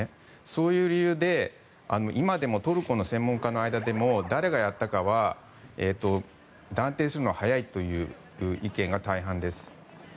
そういう理由で今でもトルコの専門家の間でも誰がやったかは断定するのは早いという意見が大半です。